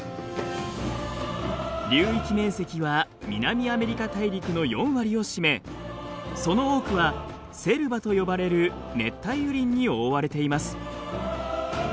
流域面積は南アメリカ大陸の４割を占めその多くはセルバと呼ばれる熱帯雨林に覆われています。